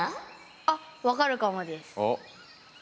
あ分かるかもです。